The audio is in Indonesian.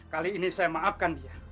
kali ini saya maafkan dia